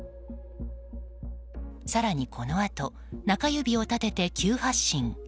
更に、このあと中指を立てて急発進。